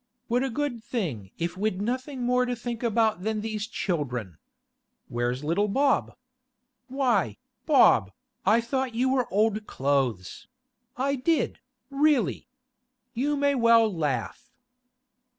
What a good thing if we'd nothing more to think about than these children! Where's little Bob? Why, Bob, I thought you were old clothes; I did, really! You may well laugh!